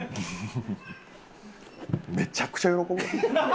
めちゃくちゃ喜ぶわ。